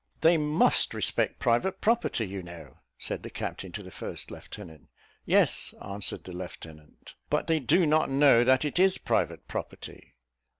"They must respect private property, you know," said the captain to the first lieutenant. "Yes," answered the lieutenant; "but they do not know that it is private property."